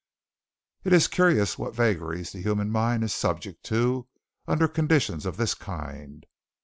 It is curious what vagaries the human mind is subject to, under conditions of this kind.